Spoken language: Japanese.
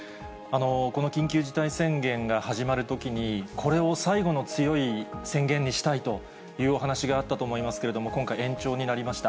この緊急事態宣言が始まるときに、これを最後の強い宣言にしたいというお話があったと思いますけれども、今回、延長になりました。